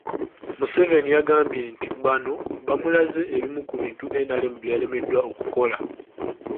Museveni yagambye nti bano bamulaze ebimu ku bintu NRM by'eremeddwa okukola